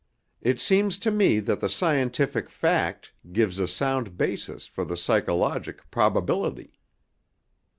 It seems to me that the scientific fact gives a sound basis for the psychologic probability."